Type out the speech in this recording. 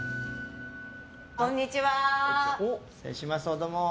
こんにちは。